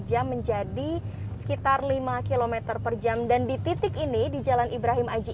jam menjadi sekitar lima km per jam dan di titik ini di jalan ibrahim aji